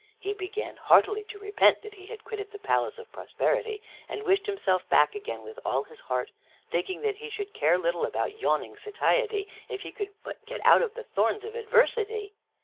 He began heartily to repent that he had quitted the palace of Prosperity, and wished himself back again with all his heart, thinking that he should care little about yawning Satiety if he could but get out of the thorns of Adversity.